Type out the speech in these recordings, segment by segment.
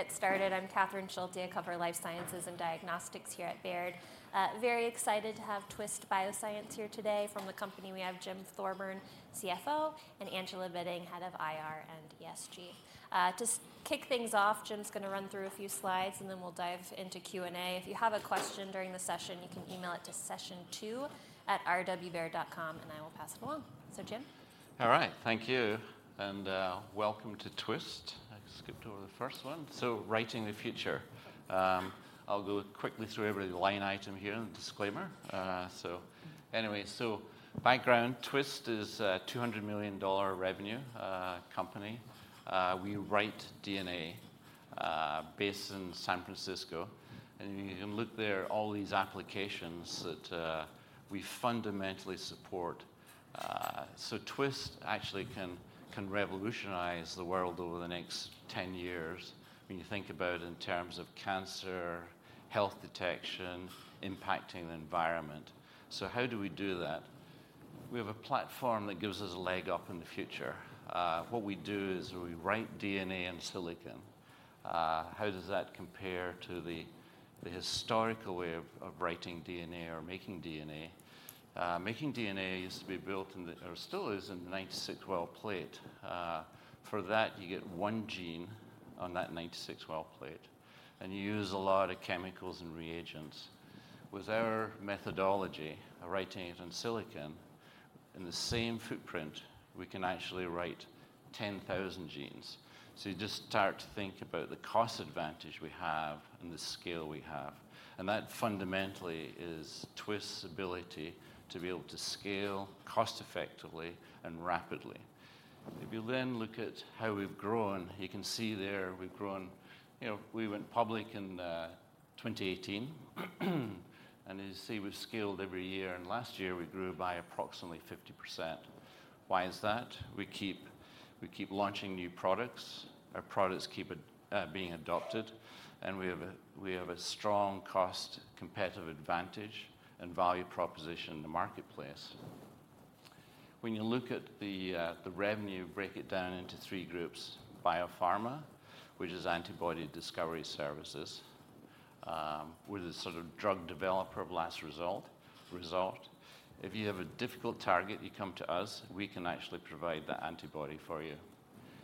Get started, I'm Catherine Schulte. I cover life sciences and diagnostics here at Baird. Very excited to have Twist Bioscience here today. From the company, we have Jim Thorburn, CFO, and Angela Bitting, head of IR and ESG. To kick things off, Jim's gonna run through a few slides, and then we'll dive into Q&A. If you have a question during the session, you can email it to sessiontwo@rwbaird.com, and I will pass it along. So, Jim? All right, thank you, and welcome to Twist. I skipped over the first one. So writing the future. I'll go quickly through every line item here in the disclaimer. So anyway, so background: Twist is a $200 million revenue company. We write DNA based in San Francisco, and you can look there at all these applications that we fundamentally support. So Twist actually can revolutionize the world over the next 10 years when you think about it in terms of cancer, health detection, impacting the environment. So how do we do that? We have a platform that gives us a leg up in the future. What we do is we write DNA in silicon. How does that compare to the historical way of writing DNA or making DNA? Making DNA used to be built in the... or still is, in a 96-well plate. For that, you get one gene on that 96-well plate, and you use a lot of chemicals and reagents. With our methodology of writing it on silicon, in the same footprint, we can actually write 10,000 genes. So you just start to think about the cost advantage we have and the scale we have, and that fundamentally is Twist's ability to be able to scale cost-effectively and rapidly. If you then look at how we've grown, you can see there we've grown... You know, we went public in 2018, and as you see, we've scaled every year, and last year we grew by approximately 50%. Why is that? We keep launching new products, our products keep being adopted, and we have a strong cost competitive advantage and value proposition in the marketplace. When you look at the revenue, break it down into three groups: Biopharma, which is antibody discovery services, with a sort of drug developer's last resort. If you have a difficult target, you come to us, we can actually provide the antibody for you.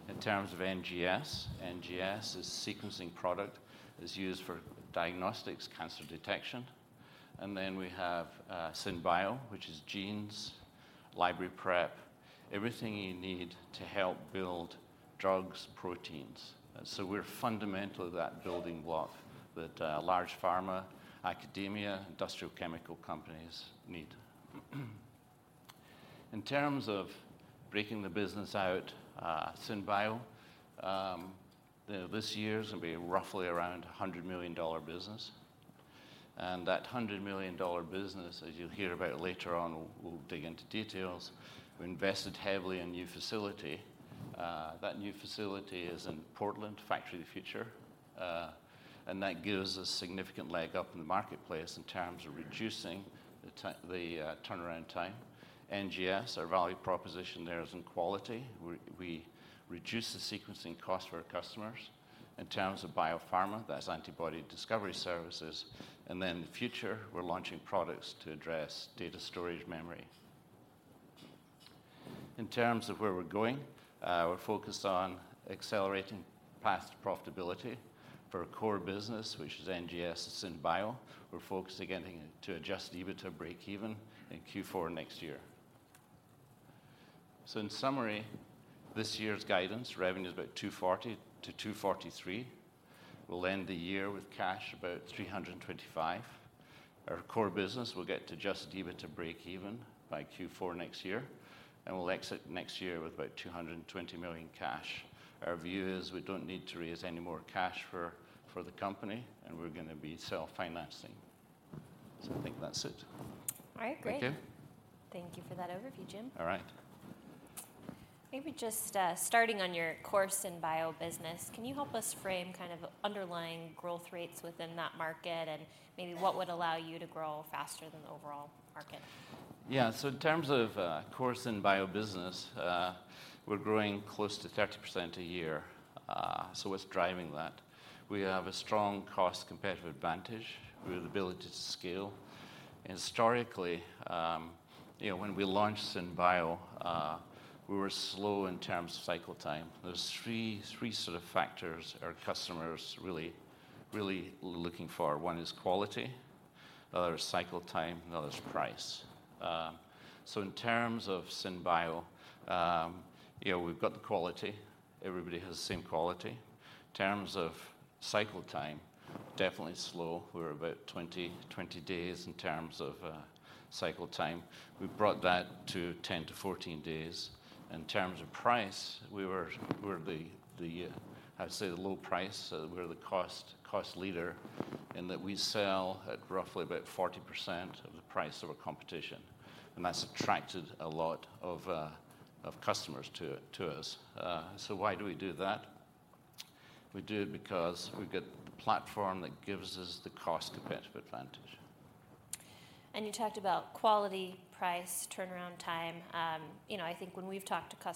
In terms of NGS, NGS is a sequencing product that's used for diagnostics, cancer detection, and then we have SynBio, which is genes, library prep, everything you need to help build drugs, proteins. So we're fundamentally that building block that large pharma, academia, industrial chemical companies need. In terms of breaking the business out, SynBio, this year's gonna be roughly around a $100 million business, and that $100 million business, as you'll hear about it later on, we'll dig into details. We invested heavily in a new facility. That new facility is in Portland, Factory of the Future, and that gives us significant leg up in the marketplace in terms of reducing the turnaround time. NGS, our value proposition there is in quality. We reduce the sequencing cost for our customers. In terms of biopharma, that's antibody discovery services, and then in the future, we're launching products to address data storage memory. In terms of where we're going, we're focused on accelerating path to profitability for our core business, which is NGS and SynBio. We're focused on getting to Adjusted EBITDA breakeven in Q4 next year. So in summary, this year's guidance revenue is about $240 million-$243 million. We'll end the year with cash, about $325 million. Our core business will get to Adjusted EBITDA breakeven by Q4 next year, and we'll exit next year with about $220 million cash. Our view is we don't need to raise any more cash for the company, and we're gonna be self-financing. So I think that's it. All right, great. Thank you. Thank you for that overview, Jim. All right. Maybe just, starting on your core SynBio business, can you help us frame kind of underlying growth rates within that market and maybe what would allow you to grow faster than the overall market? Yeah. In terms of, you know, core SynBio business, we're growing close to 30% a year. What's driving that? We have a strong cost competitive advantage. We have the ability to scale. Historically, you know, when we launched SynBio, we were slow in terms of cycle time. There are three, three sort of factors our customers really, really looking for. One is quality, another is cycle time, another is price. In terms of SynBio, you know, we've got the quality. Everybody has the same quality. In terms of cycle time, definitely slow. We're about 20, 20 days in terms of cycle time. We've brought that to 10-14 days. In terms of price, we were, we're the, the, I'd say, the low price. We're the cost, cost leader in that we sell at roughly about 40% of the price of our competition, and that's attracted a lot of customers to us. So why do we do that? We do it because we've got the platform that gives us the cost competitive advantage.... And you talked about quality, price, turnaround time. You know, I think when we've talked to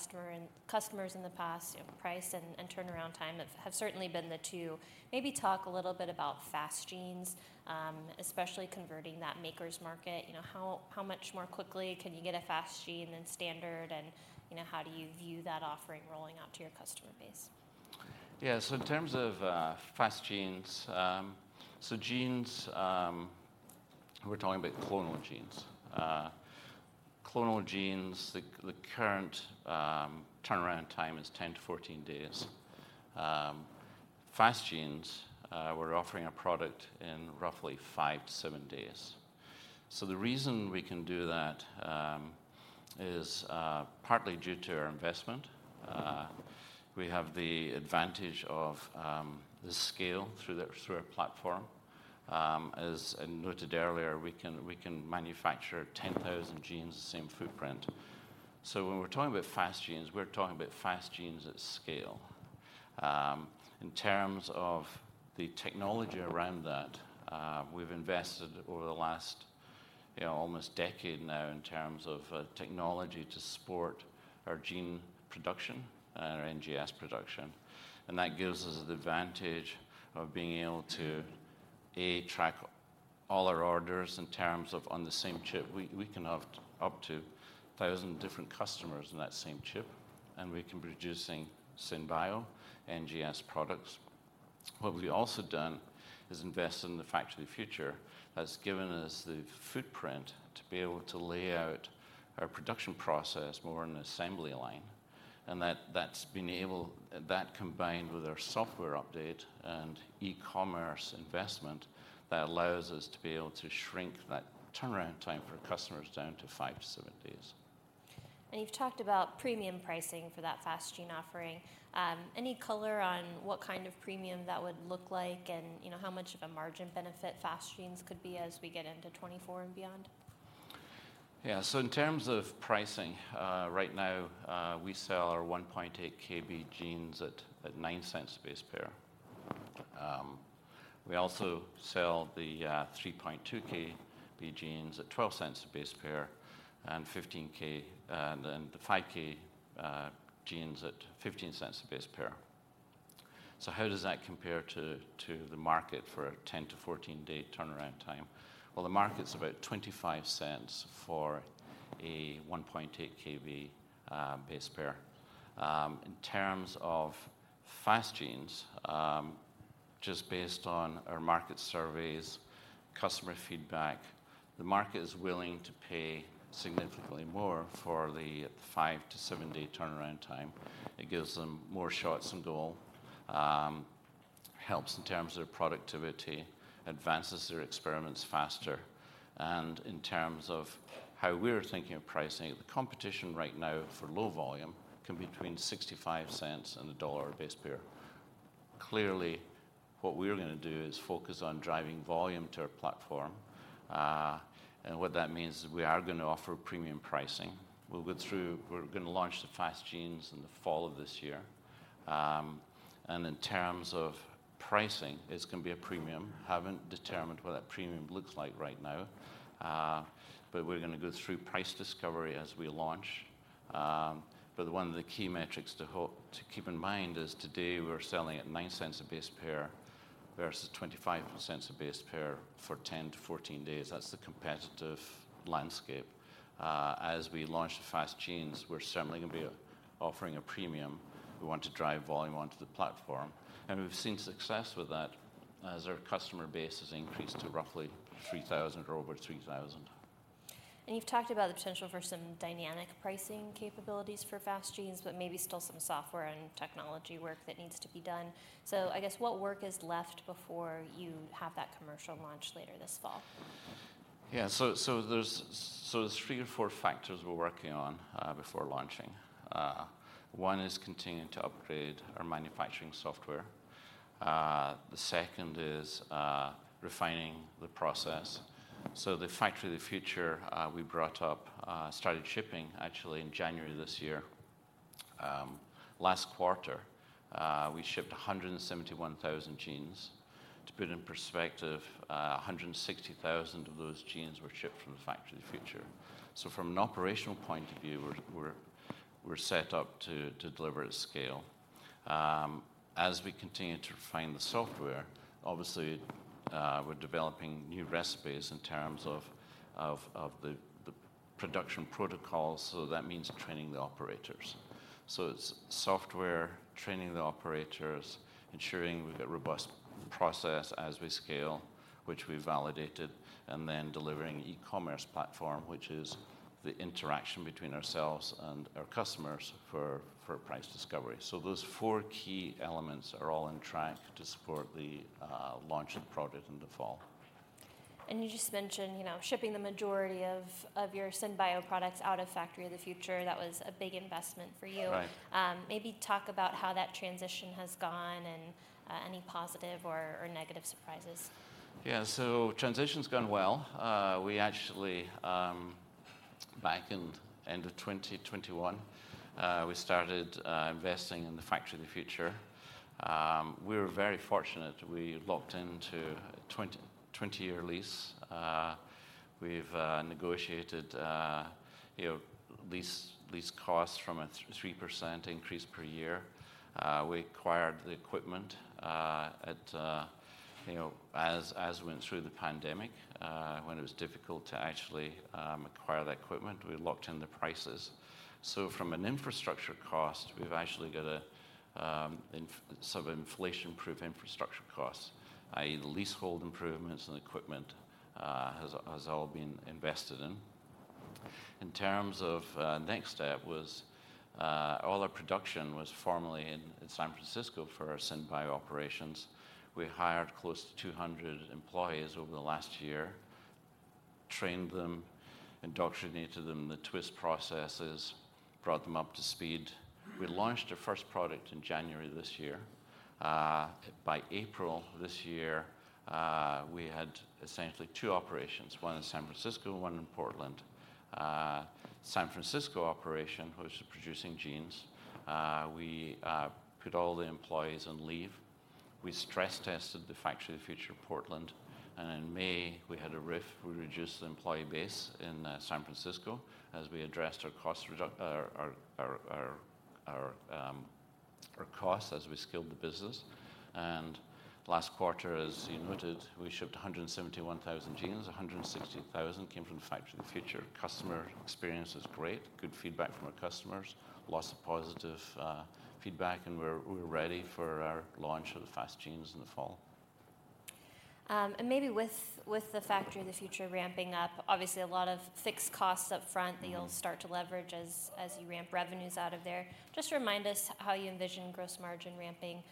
customers in the past, you know, price and turnaround time have certainly been the two. Maybe talk a little bit about Fast Genes, especially converting that makers market. You know, how much more quickly can you get a Fast Gene than standard? And, you know, how do you view that offering rolling out to your customer base? Yeah. So in terms of Fast Genes, so genes... We're talking about Clonal Genes. Clonal Genes, the current turnaround time is 10-14 days. Fast Genes, we're offering a product in roughly 5-7 days. So the reason we can do that is partly due to our investment. We have the advantage of the scale through our platform. As I noted earlier, we can manufacture 10,000 genes, the same footprint. So when we're talking about Fast Genes, we're talking about Fast Genes at scale. In terms of the technology around that, we've invested over the last, you know, almost decade now in terms of technology to support our gene production and our NGS production. That gives us the advantage of being able to, A, track all our orders in terms of on the same chip. We can have up to 1,000 different customers on that same chip, and we can be producing SynBio NGS products. What we've also done is invest in the Factory of the Future, has given us the footprint to be able to lay out our production process more in an assembly line, and that, that's been able-- That combined with our software update and e-commerce investment, that allows us to be able to shrink that turnaround time for customers down to 5-7 days. You've talked about premium pricing for that fast gene offering. Any color on what kind of premium that would look like, and, you know, how much of a margin benefit fast genes could be as we get into 2024 and beyond? Yeah. So in terms of pricing, right now, we sell our 1.8 KB genes at $0.09 a base pair. We also sell the 3.2 KB genes at $0.12 a base pair, and 15 K, and the 5 K genes at $0.15 a base pair. So how does that compare to the market for a 10-14-day turnaround time? Well, the market's about $0.25 for a 1.8 KB base pair. In terms of fast genes, just based on our market surveys, customer feedback, the market is willing to pay significantly more for the 5-7-day turnaround time. It gives them more shots on goal, helps in terms of their productivity, advances their experiments faster. In terms of how we're thinking of pricing, the competition right now for low volume can be between $0.65 and $1 a base pair. Clearly, what we're gonna do is focus on driving volume to our platform, and what that means is we are gonna offer premium pricing. We'll go through. We're gonna launch the fast genes in the fall of this year. And in terms of pricing, it's gonna be a premium. Haven't determined what that premium looks like right now, but we're gonna go through price discovery as we launch. But one of the key metrics to keep in mind is today, we're selling at $0.09 a base pair versus $0.25 a base pair for 10-14 days. That's the competitive landscape. As we launch the fast genes, we're certainly gonna be offering a premium. We want to drive volume onto the platform, and we've seen success with that as our customer base has increased to roughly 3,000 or over 3,000. And you've talked about the potential for some dynamic pricing capabilities for fast genes, but maybe still some software and technology work that needs to be done. So I guess, what work is left before you have that commercial launch later this fall? Yeah. So there's three or four factors we're working on before launching. One is continuing to upgrade our manufacturing software. The second is refining the process. So the Factory of the Future we brought up started shipping actually in January this year. Last quarter, we shipped 171,000 genes. To put it in perspective, 160,000 of those genes were shipped from the Factory of the Future. So from an operational point of view, we're set up to deliver at scale. As we continue to refine the software, obviously, we're developing new recipes in terms of the production protocols, so that means training the operators. So it's software, training the operators, ensuring we've got robust process as we scale, which we validated, and then delivering e-commerce platform, which is the interaction between ourselves and our customers for price discovery. So those four key elements are all on track to support the launch of the product in the fall. You just mentioned, you know, shipping the majority of your SynBio products out of Factory of the Future. That was a big investment for you. Right. Maybe talk about how that transition has gone and any positive or negative surprises. Yeah. So transition's gone well. We actually back in end of 2021, we started investing in the Factory of the Future. We were very fortunate. We locked into a 20-year lease. We've negotiated, you know, lease costs from a 3% increase per year. We acquired the equipment at... You know, as we went through the pandemic, when it was difficult to actually acquire that equipment, we locked in the prices. So from an infrastructure cost, we've actually got a sort of inflation-proof infrastructure costs, i.e., the leasehold improvements and equipment has all been invested in. In terms of next step was all our production was formerly in San Francisco for our SynBio operations. We hired close to 200 employees over the last year, trained them, indoctrinated them in the Twist processes, brought them up to speed. We launched our first product in January this year. By April this year, we had essentially two operations, one in San Francisco and one in Portland. San Francisco operation, which is producing genes, we put all the employees on leave. We stress-tested the Factory of the Future, Portland, and in May, we had a RIF. We reduced the employee base in San Francisco as we addressed our costs as we scaled the business. Last quarter, as you noted, we shipped 171,000 genes. 160,000 came from the Factory of the Future. Customer experience is great, good feedback from our customers, lots of positive, feedback, and we're, we're ready for our launch of the Fast Genes in the fall. And maybe with the Factory of the Future ramping up, obviously a lot of fixed costs up front- Mm-hmm. -that you'll start to leverage as, as you ramp revenues out of there. Just remind us how you envision gross margin ramping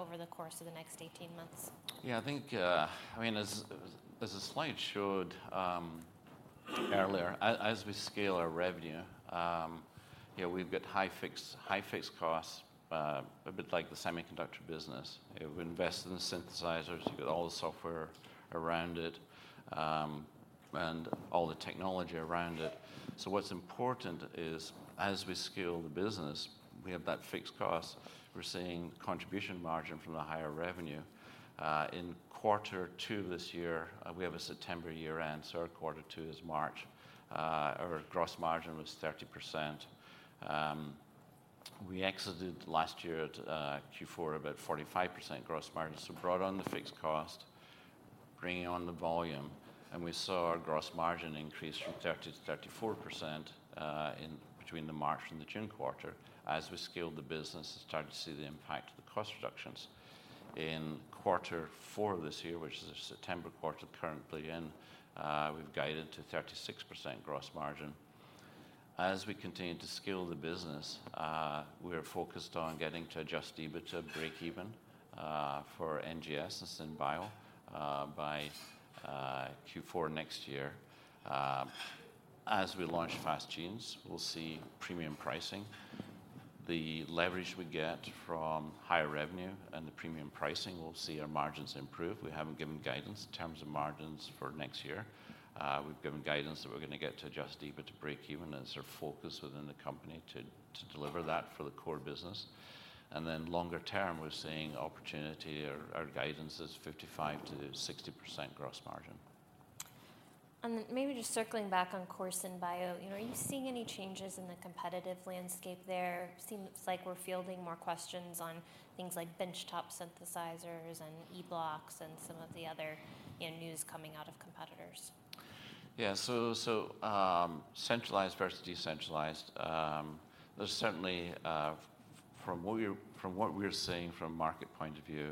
over the course of the next 18 months? Yeah, I think, I mean, as the slide showed earlier, as we scale our revenue, yeah, we've got high fixed costs, a bit like the semiconductor business. If we invest in the synthesizers, you get all the software around it, and all the technology around it. So what's important is, as we scale the business, we have that fixed cost. We're seeing contribution margin from the higher revenue. In quarter two this year, we have a September year-end, so our quarter two is March, our gross margin was 30%. We exited last year at Q4 about 45% gross margin. So brought on the fixed cost, bringing on the volume, and we saw our gross margin increase from 30%-34%, in between the March and the June quarter. As we scaled the business, we started to see the impact of the cost reductions. In quarter four this year, which is our September quarter, currently in, we've guided to 36% gross margin. As we continue to scale the business, we are focused on getting to adjusted EBITDA breakeven for NGS and SynBio by Q4 next year. As we launch Fast Genes, we'll see premium pricing. The leverage we get from higher revenue and the premium pricing, we'll see our margins improve. We haven't given guidance in terms of margins for next year. We've given guidance that we're going to get to adjusted EBITDA breakeven, and so focus within the company to deliver that for the core business. And then longer term, we're seeing opportunity or our guidance is 55%-60% gross margin. And then maybe just circling back, of course, in SynBio, you know, are you seeing any changes in the competitive landscape there? Seems like we're fielding more questions on things like benchtop synthesizers and eBlocks and some of the other, you know, news coming out of competitors. Yeah. So, centralized versus decentralized, there's certainly... from what we're seeing from a market point of view,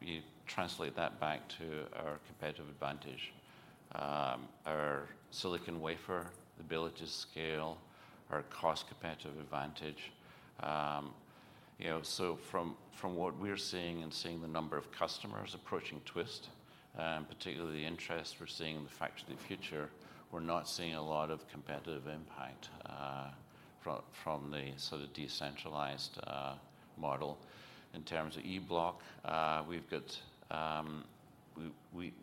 you translate that back to our competitive advantage, our silicon wafer, ability to scale, our cost competitive advantage. You know, so from what we're seeing and seeing the number of customers approaching Twist, particularly the interest we're seeing in the Factory of the Future, we're not seeing a lot of competitive impact, from the sort of decentralized model. In terms of eBlocks, we've got...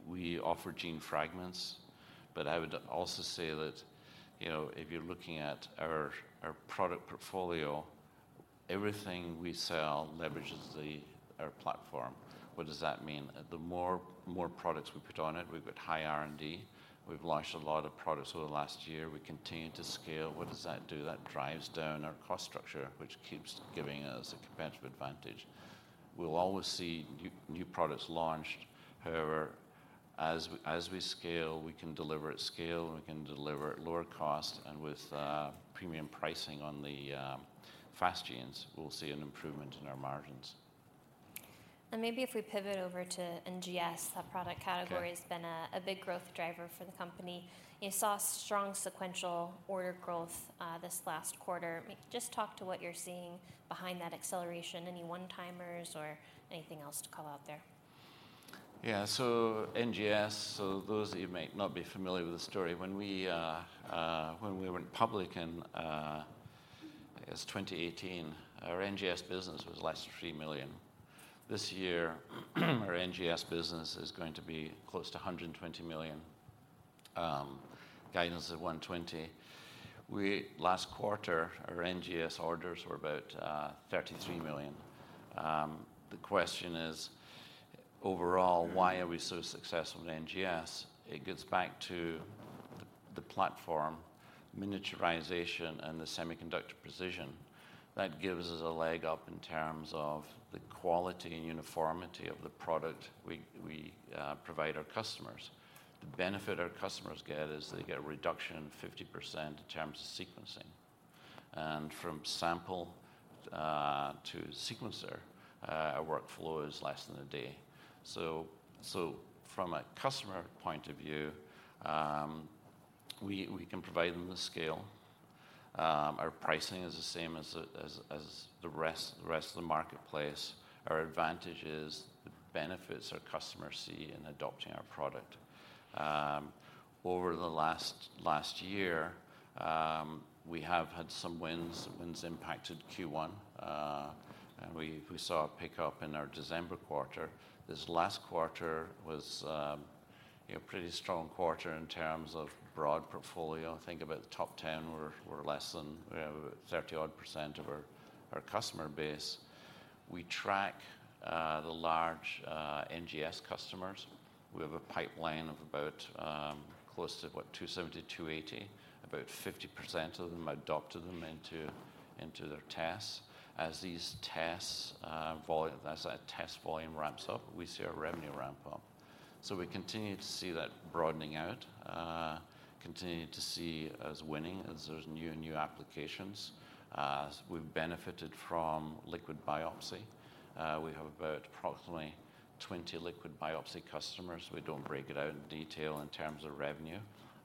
We offer gene fragments, but I would also say that, you know, if you're looking at our product portfolio, everything we sell leverages the our platform. What does that mean? The more products we put on it, we've got high R&D. We've launched a lot of products over the last year. We continue to scale. What does that do? That drives down our cost structure, which keeps giving us a competitive advantage. We'll always see new, new products launched. However, as we scale, we can deliver at scale, and we can deliver at lower cost, and with premium pricing on the Fast Genes, we'll see an improvement in our margins. Maybe if we pivot over to NGS, that product- Okay. NGS category has been a big growth driver for the company. You saw strong sequential order growth this last quarter. Just talk to what you're seeing behind that acceleration. Any one-timers or anything else to call out there? Yeah. So NGS, so those of you who might not be familiar with the story, when we went public in 2018, our NGS business was less than $3 million. This year, our NGS business is going to be close to $120 million, guidance of $120 million. Last quarter, our NGS orders were about $33 million. The question is, overall, why are we so successful with NGS? It gets back to the platform, miniaturization, and the semiconductor precision. That gives us a leg up in terms of the quality and uniformity of the product we provide our customers. The benefit our customers get is they get a reduction of 50% in terms of sequencing. And from sample to sequencer, our workflow is less than a day. So from a customer point of view, we can provide them the scale. Our pricing is the same as the rest of the marketplace. Our advantage is the benefits our customers see in adopting our product. Over the last year, we have had some wins impacted Q1, and we saw a pickup in our December quarter. This last quarter was a pretty strong quarter in terms of broad portfolio. Think about the top 10, we're less than 30-odd% of our customer base. We track the large NGS customers. We have a pipeline of about close to 270, 280. About 50% of them adopted them into their tests. As these tests volume—as that test volume ramps up, we see our revenue ramp up. So we continue to see that broadening out, continue to see us winning as there's new and new applications. We've benefited from liquid biopsy. We have about approximately 20 liquid biopsy customers. We don't break it out in detail in terms of revenue,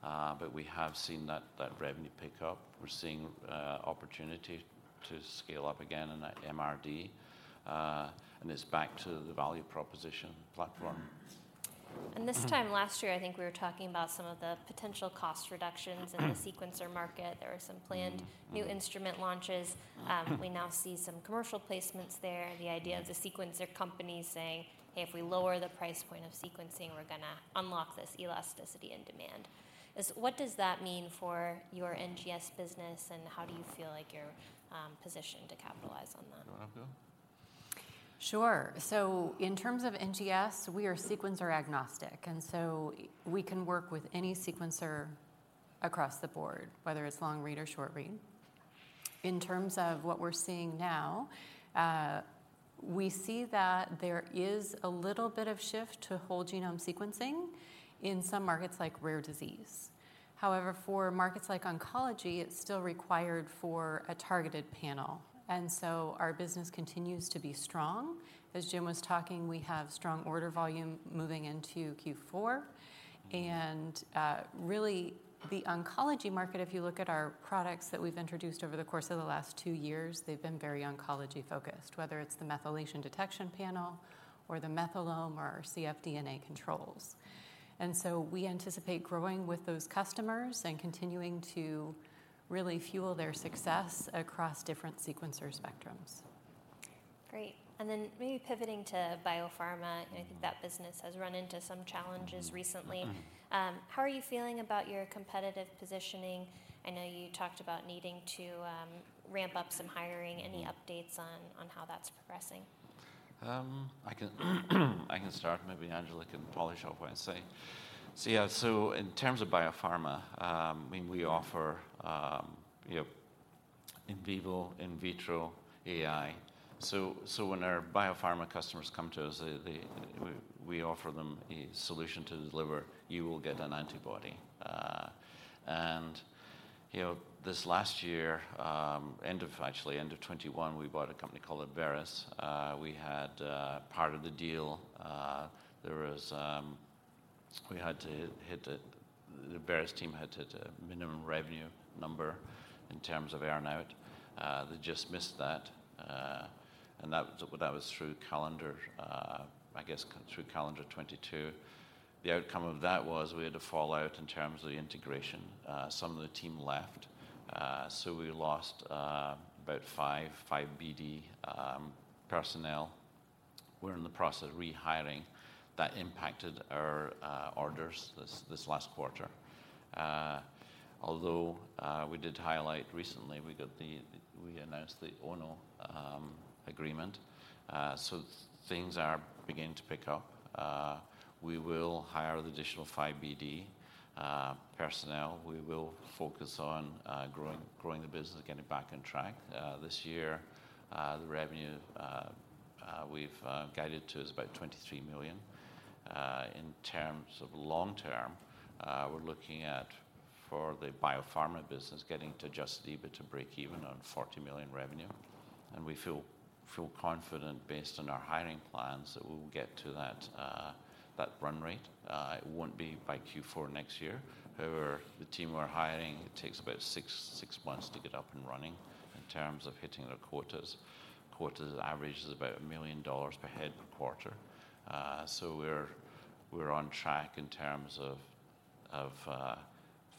but we have seen that, that revenue pick up. We're seeing opportunity to scale up again in MRD, and it's back to the value proposition platform. This time last year, I think we were talking about some of the potential cost reductions in the sequencer market. Mm-hmm. There were some planned new instrument launches. Mm-hmm. We now see some commercial placements there, the idea of the- Yes... sequencer companies saying, "If we lower the price point of sequencing, we're gonna unlock this elasticity and demand." What does that mean for your NGS business, and how do you feel like you're positioned to capitalize on that? You wanna go? Sure. So in terms of NGS, we are sequencer agnostic, and so we can work with any sequencer across the board, whether it's long read or short read. In terms of what we're seeing now, we see that there is a little bit of shift to Whole Genome Sequencing in some markets like rare disease. However, for markets like oncology, it's still required for a targeted panel, and so our business continues to be strong. As Jim was talking, we have strong order volume moving into Q4. Mm-hmm. Really, the oncology market, if you look at our products that we've introduced over the course of the last two years, they've been very oncology-focused, whether it's the methylation detection panel or the methylome or cfDNA controls. So we anticipate growing with those customers and continuing to really fuel their success across different sequencer spectrums. Great. Then maybe pivoting to biopharma- Mm-hmm... I think that business has run into some challenges recently. Mm-hmm. How are you feeling about your competitive positioning? I know you talked about needing to ramp up some hiring. Mm. Any updates on how that's progressing? I can start. Maybe Angela can polish off what I say. So yeah, so in terms of biopharma, I mean, we offer, you know, in vivo, in vitro, in silico. So when our biopharma customers come to us, they, they. We offer them a solution to deliver, "You will get an antibody." And, you know, this last year, actually, end of 2021, we bought a company called Abveris. We had, part of the deal, there was. We had to hit a-- the Abveris team had to hit a minimum revenue number in terms of earn-out. They just missed that, and that-- That was through calendar, I guess through calendar 2022. The outcome of that was we had to fall out in terms of the integration. Some of the team left, so we lost about five BD personnel. We're in the process of rehiring. That impacted our orders this last quarter. Although, we did highlight recently, we announced the Ono agreement, so things are beginning to pick up. We will hire the additional five BD personnel. We will focus on growing the business and getting back on track. This year, the revenue we've guided to is about $23 million. In terms of long term, we're looking at, for the biopharma business, getting to adjusted EBITDA to break even on $40 million revenue, and we feel confident based on our hiring plans that we'll get to that run rate. It won't be by Q4 next year. However, the team we're hiring, it takes about 6, 6 months to get up and running in terms of hitting their quotas. Quotas average is about $1 million per head per quarter. So we're on track in terms of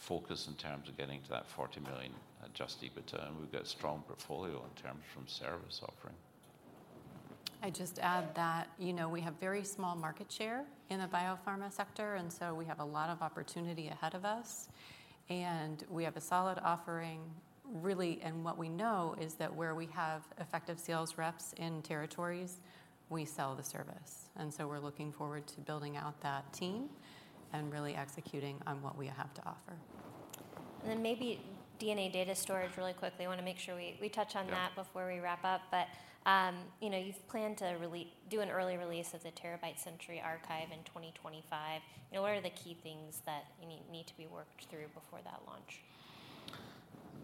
focus in terms of getting to that $40 million Adjusted EBITDA, and we've got a strong portfolio in terms from service offering. I'd just add that, you know, we have very small market share in the biopharma sector, and so we have a lot of opportunity ahead of us, and we have a solid offering, really. And what we know is that where we have effective sales reps in territories, we sell the service. And so we're looking forward to building out that team and really executing on what we have to offer. And then maybe DNA Data Storage really quickly. I want to make sure we, we touch on that- Yeah Before we wrap up. But, you know, you've planned to do an early release of the terabyte Century Archive in 2025. You know, what are the key things that you need to be worked through before that launch?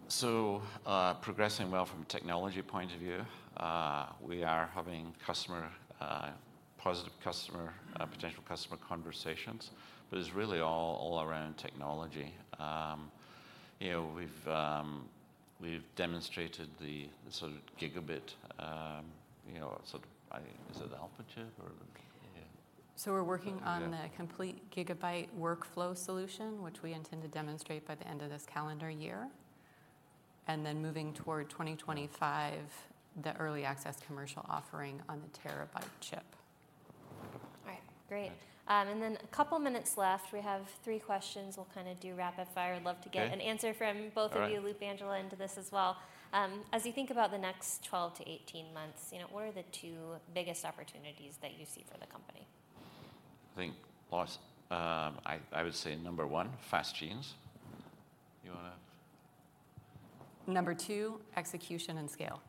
So, progressing well from a technology point of view. We are having customer, positive customer, potential customer conversations, but it's really all around technology. You know, we've demonstrated the sort of gigabit, you know, sort of... Is it the altitude or? Yeah. So we're working on- Yeah... the complete gigabyte workflow solution, which we intend to demonstrate by the end of this calendar year, and then moving toward 2025, the early access commercial offering on the terabyte chip. All right, great. Yeah. And then a couple minutes left. We have three questions. We'll kind of do rapid fire. Okay. I'd love to get an answer from both of you- All right... Luke, Angela, into this as well. As you think about the next 12-18 months, you know, what are the two biggest opportunities that you see for the company? I think lots. I would say, number one, Fast Genes. You want to...? Number two, execution and scale.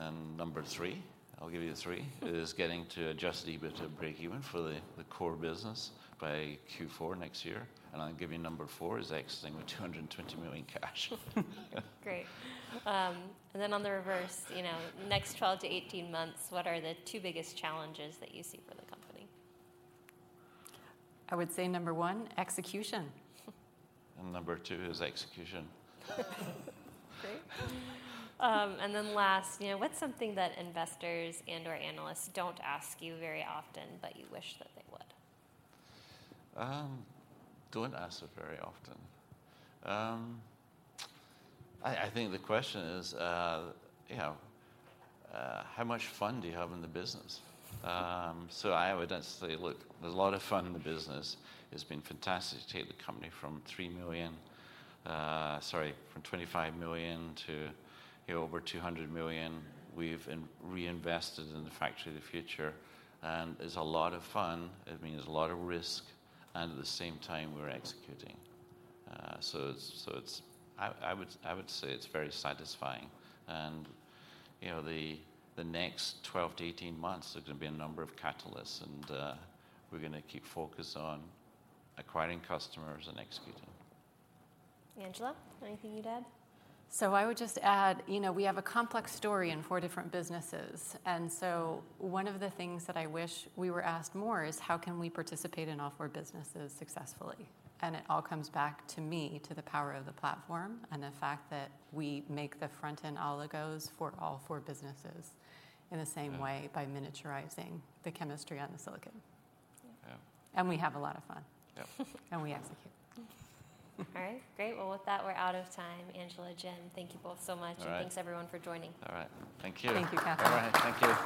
And number 3, I'll give you a 3, is getting to Adjusted EBITDA break even for the core business by Q4 next year. And I'll give you number 4 is exiting with $220 million cash. Great. And then on the reverse, you know, next 12-18 months, what are the two biggest challenges that you see for the company? I would say number one, execution. Number two is execution. Great. And then last, you know, what's something that investors and/or analysts don't ask you very often, but you wish that they would? Don't ask it very often? I think the question is, you know, how much fun do you have in the business? So I would necessarily say, look, there's a lot of fun in the business. It's been fantastic to take the company from $3 million, sorry, from $25 million to, you know, over $200 million. We've reinvested in the Factory of the Future, and it's a lot of fun. It means there's a lot of risk, and at the same time, we're executing. So it's. I would say it's very satisfying. And, you know, the next 12-18 months, there's going to be a number of catalysts, and, we're going to keep focused on acquiring customers and executing. Angela, anything you'd add? So I would just add, you know, we have a complex story in four different businesses, and so one of the things that I wish we were asked more is, how can we participate in all four businesses successfully? And it all comes back to me, to the power of the platform and the fact that we make the front-end oligos for all four businesses in the same way- Yeah... by miniaturizing the chemistry on the silicon. Yeah. Yeah. And we have a lot of fun. Yeah. We execute. All right. Great! Well, with that, we're out of time. Angela, Jim, thank you both so much. All right. Thanks, everyone, for joining. All right. Thank you. Thank you, Cathy. All right. Thank you.